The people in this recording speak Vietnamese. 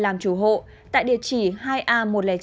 làm chủ hộ tại địa chỉ hai a một trăm linh chín